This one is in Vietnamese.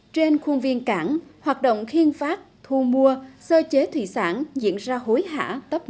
trên khuôn viên cảng hoạt động khiên phát thu mua sơ chế thủy sản diễn ra hối hả